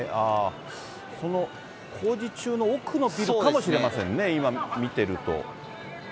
その工事中の奥のビルかもしれませんね、今、見てると。